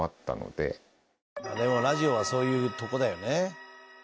でもラジオはそういうとこだよね」